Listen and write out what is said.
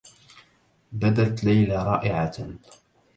بدت ليلى رائعة.